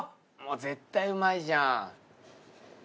絶対うまいじゃん。